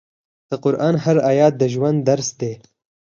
د قرآن هر آیت د ژوند درس دی.